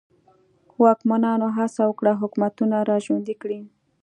واکمنانو هڅه وکړه حکومتونه را ژوندي کړي.